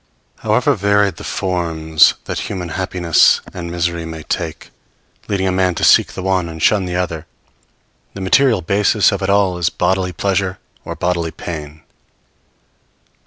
However varied the forms that human happiness and misery may take, leading a man to seek the one and shun the other, the material basis of it all is bodily pleasure or bodily pain.